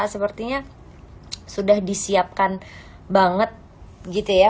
sepertinya sudah disiapkan banget gitu ya